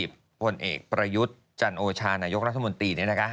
ผู้หลัตเองประยุติจรรโกชานายกรัฐมนตรี